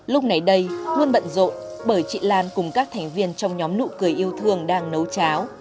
lúc này đây luôn bận rộn bởi chị lan cùng các thành viên trong nhóm nụ cười yêu thương đang nấu cháo